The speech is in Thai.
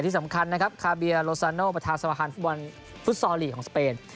ที่สำคัญนะครับคาเบียโลซาโนประธานสมภัณฑ์ฟุตบอลฟุตซอลลีกของสเปน